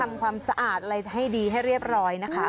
ทำความสะอาดอะไรให้ดีให้เรียบร้อยนะคะ